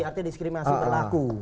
artinya diskriminasi terlaku